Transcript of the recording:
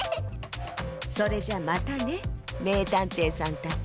それじゃまたねめいたんていさんたち。